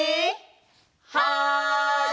はい！